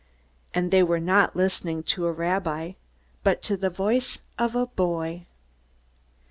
And they were not listening to a rabbi, but to the voice of a boy.